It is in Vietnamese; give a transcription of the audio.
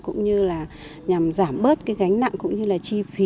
cũng như là nhằm giảm bớt cái gánh nặng cũng như là chi phí